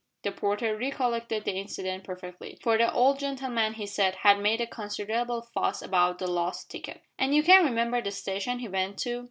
The porter recollected the incident perfectly, for the old gentleman, he said, had made a considerable fuss about the lost ticket. "And you can't remember the station he went to?"